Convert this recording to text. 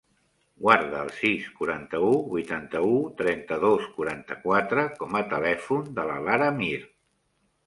Guarda el sis, quaranta-u, vuitanta-u, trenta-dos, quaranta-quatre com a telèfon de la Lara Mir.